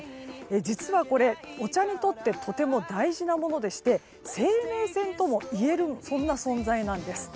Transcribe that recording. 実はこれ、お茶にとってとても大事なものでして生命線ともいえる存在なんです。